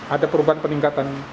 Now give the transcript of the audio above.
ada perubahan peningkatan